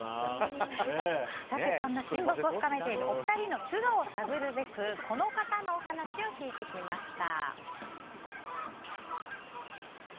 そんな親睦を深めているお二人の素顔を探るべくこの方のお話を聞いてきました。